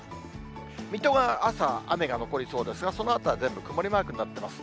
水戸が朝、雨が残りそうですが、そのあとは全部曇りマークになってます。